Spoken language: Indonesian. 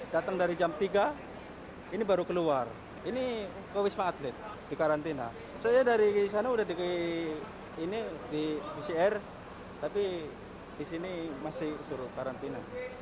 datang dari jam tiga ini baru keluar ini ke wisma atlet di karantina saya dari sana udah di ini di pcr tapi di sini masih suruh karantina